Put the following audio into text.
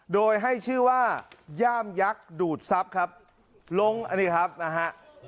โดยให้ชื่อว่าย่ามยักษ์ดูดทรัพย์ครับลงอันนี้ครับนะฮะ